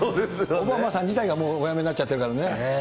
オバマさん自体がもうお辞めになっちゃってるからね。